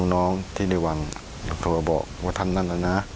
น้องที่ในวังอยากจะบอกว่าท่านนั้นนะนะ